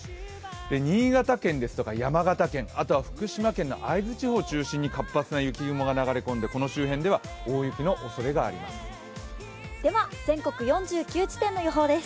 新潟県ですとか山形県、あとは福島県の会津地方に活発な雪雲が流れ込んでこの周辺では大雪のおそれがあります。